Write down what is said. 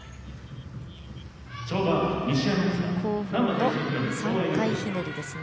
後方の３回ひねりですね。